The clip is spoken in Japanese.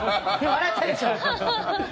笑ったでしょ？